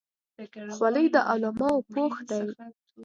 خولۍ د علماو پوښ دی.